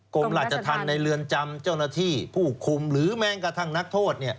กรมราชธรรมในเรือนจำเจ้าหน้าที่ผู้คุมหรือแม้กระทั่งนักโทษ